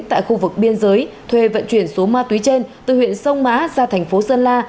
tại khu vực biên giới thuê vận chuyển số ma túy trên từ huyện sông mã ra thành phố sơn la